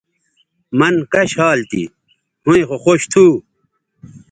مَن کش حال تھی ھویں خو خوش تھو